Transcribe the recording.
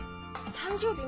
誕生日